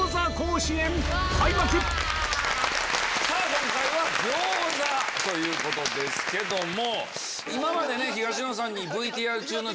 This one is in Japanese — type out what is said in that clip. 今回は餃子ということですけども。